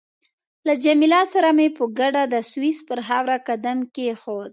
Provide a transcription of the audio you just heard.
له جميله سره مې په ګډه د سویس پر خاوره قدم کېښود.